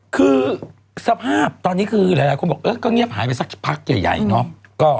คือสภาพตอนนี้คือหลายคนบอกก็เงียบหายไปสักพักใหญ่เนาะ